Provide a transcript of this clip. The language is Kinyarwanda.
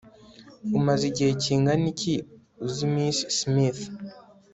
umaze igihe kingana iki uzi miss smith